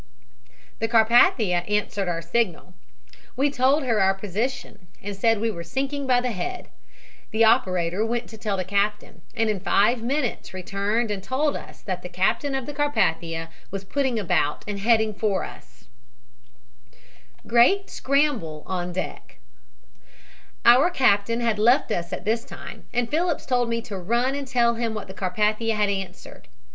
"The Carpathia answered our signal. We told her our position and said we were sinking by the head. The operator went to tell the captain, and in five minutes returned and told us that the captain of the Carpathia, was putting about and heading for us GREAT SCRAMBLE ON DECK "Our captain had left us at this time and Phillips told me to run and tell him what the Carpathia had answered.